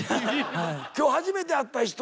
今日初めて会った人はどう？